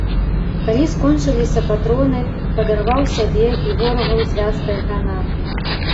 Калі скончыліся патроны, падарваў сябе і ворагаў звязкай гранат.